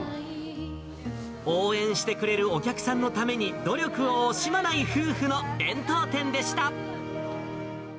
応援してくれるお客さんのために努力を惜しまない夫婦の弁当店でした。